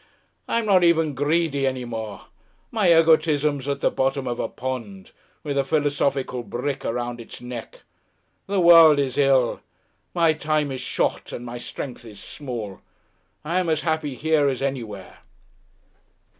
I'm not even greedy any more my egotism's at the bottom of a pond, with a philosophical brick around its neck. The world is ill, my time is short and my strength is small. I'm as happy here as anywhere."